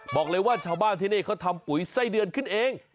บอกเลยว่าชาวบ้านที่นี่เขาทำปุ๋ยไส้เดือนขึ้นเอง